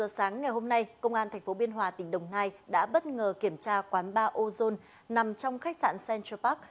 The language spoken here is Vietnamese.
khoảng một giờ sáng ngày hôm nay công an tp biên hòa tỉnh đồng nai đã bất ngờ kiểm tra quán ba ozone nằm trong khách sạn central park